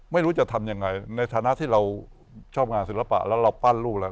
ไม่รู้จะทำยังไงในฐานะที่เราชอบงานศิลปะแล้วเราปั้นลูกแล้ว